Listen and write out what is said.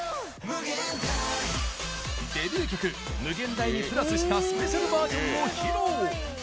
デビュー曲「無限大」にプラスしたスペシャルバージョンを披露！